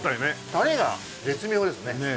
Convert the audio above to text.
タレが絶妙ですね。